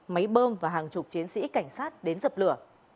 máy bơm và hàng chục chiến sĩ cảnh sát đến dập lửa